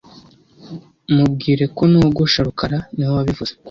Mubwire ko nogosha rukara niwe wabivuze